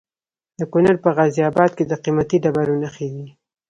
د کونړ په غازي اباد کې د قیمتي ډبرو نښې دي.